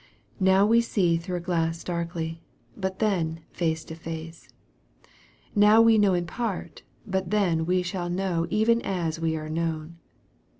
" Now we see through a glass darkly, but then face to face. Now we know in part, but then shall we know even as we are known."